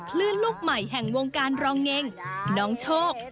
คลื่นลูกใหม่แห่งวงการรองเง็งน้องโชค